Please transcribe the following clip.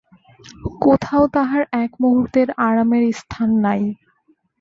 কোথাও তাহার এক মুহূর্তের আরামের স্থান নাই।